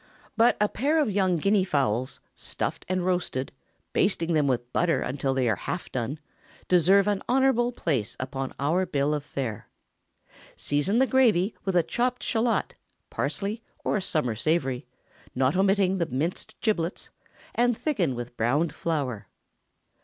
But a pair of young Guinea fowls, stuffed and roasted, basting them with butter until they are half done, deserve an honorable place upon our bill of fare. Season the gravy with a chopped shallot, parsley, or summer savory, not omitting the minced giblets, and thicken with browned flour.